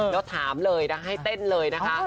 แล้วถามเลยนะให้เต้นเลยนะคะ